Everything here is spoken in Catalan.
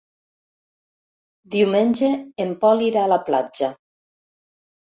Diumenge en Pol irà a la platja.